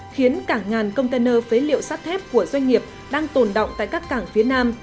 khiến cả ngàn container phế liệu sắt thép của doanh nghiệp đang tồn động tại các cảng phía nam